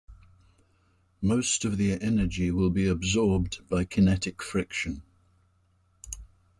Most of the energy will be absorbed by kinetic friction.